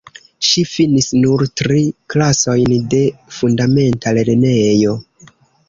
Ŝi finis nur tri klasojn de fundamenta lernejo.